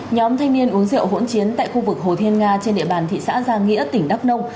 nhóm thanh niên uống rượu hỗn chiến tại khu vực hồ thiên nga trên địa bàn thị xã giang nghĩa tỉnh đắk nông